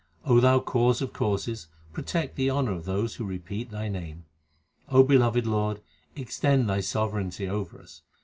O Thou Cause of causes, protect the honour of those who repeat Thy name. O beloved Lord, extend Thy sovereignty over us.